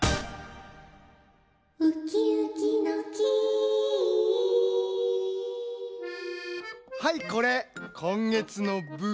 ウキウキの木はいこれこんげつのぶん。